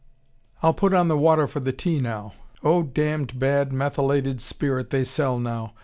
I'll put on the water for the tea now. Oh, damned bad methylated spirit they sell now!